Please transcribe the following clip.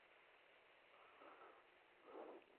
El fundador estableció Saro.